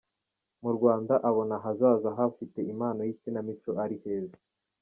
Mu Rwanda, abona ahazaza h’abafite impano y’ikinamico ari heza.